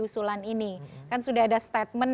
usulan ini kan sudah ada statement